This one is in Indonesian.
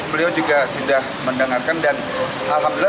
beliau juga sudah mendengarkan dan alhamdulillah